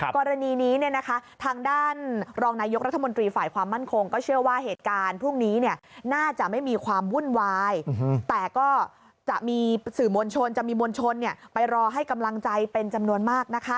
พอจะมีมวลชนไปรอให้กำลังใจเป็นจำนวนมากน่ะครับ